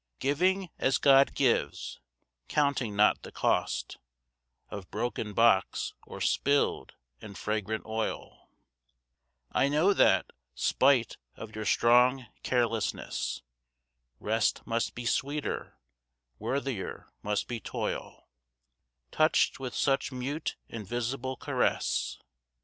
Giving as God gives, counting not the cost Of broken box or spilled and fragrant oil, I know that, spite of your strong carelessness, Rest must be sweeter, worthier must be toil, Touched with such mute, invisible caress.